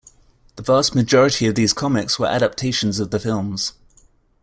The vast majority of these comics were adaptations of the films.